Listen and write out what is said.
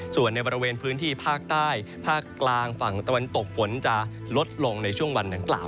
ส่วนในบริเวณพื้นที่ภาคใต้ภาคกลางฝั่งตะวันตกฝนจะลดลงในช่วงวันดังกล่าว